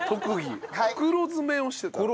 袋詰めをしてたら。